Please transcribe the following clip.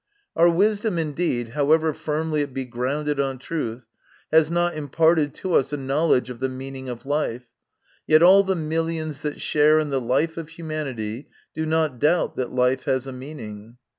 Our wisdom, indeed, however firmly it be grounded on truth, has not imparted to us a knowledge of the meaning of life, yet all the millions that share in the life of humanity do not doubt that life has a meaning.